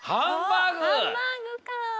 ハンバーグかあ。